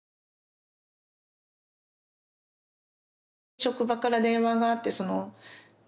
職場から電話があってそのね